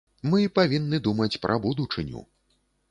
Мы павінны думаць пра будучыню.